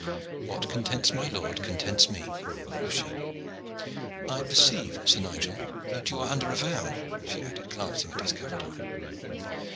"What contents my lord contents me," quoth she. "I perceive, Sir Nigel, that you are under vow," she added, glancing at his covered eye.